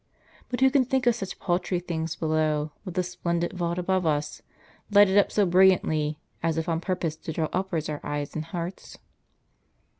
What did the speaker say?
* But who can think of such paltry things below, with the splendid vault above us, lighted up so brilliantly, as if on purpose to draw upwards our eyes and hearts?"